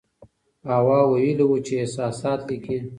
هوا ویلي وو چې احساسات لیکي.